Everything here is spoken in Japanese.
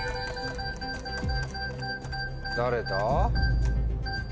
誰だ？